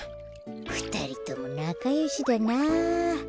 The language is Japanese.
ふたりともなかよしだな。